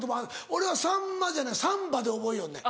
俺はさんまじゃないサンバで覚えよんねん。